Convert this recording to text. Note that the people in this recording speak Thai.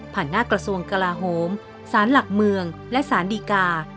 หน้ากระทรวงกลาโฮมสารหลักเมืองและสารดีกา